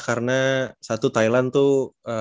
karena satu thailand tuh